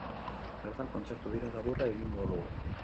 Bertan kontzertu bira laburra egingo du.